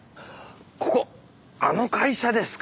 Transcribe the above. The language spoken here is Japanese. ここあの会社ですか。